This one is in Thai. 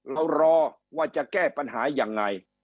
เขารอว่าจะแก้ปัญหายังไง